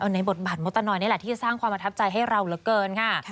ในบทบาทมดตนอยนี่แหละที่จะสร้างความประทับใจให้เราเหลือเกินค่ะ